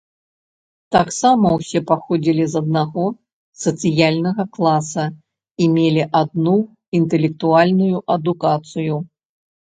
Таксама ўсе паходзілі з аднаго сацыяльнага класа і мелі адну інтэлектуальную адукацыю.